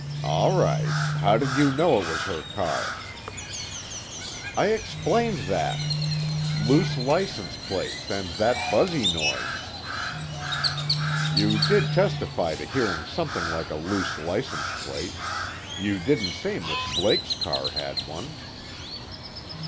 All right how did you know it was her car?" "I explained that. Loose license plate, and that buzzy noise." "You did testify to hearing something like a loose license plate. You didn't say Miss Blake's car had one."